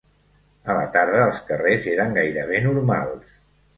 A la tarda els carrers eren gairebé normals